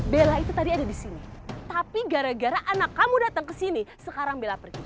bella itu tadi ada disini tapi gara gara anak kamu datang kesini sekarang bella pergi